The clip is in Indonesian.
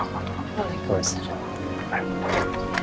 gak ada yang mau berbicara